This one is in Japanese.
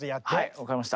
分かりました。